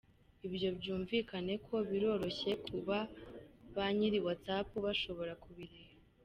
Ibyo byumvikane ko biroroshye kuba ba nyiri WhatsApp bashobora kubireba.